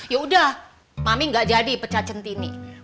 ya udah mami gak jadi pecah centini